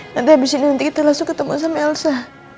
nanti habis ini nanti langsung ketemu sama elsa